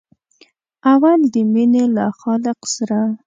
اول د مینې له خالق سره.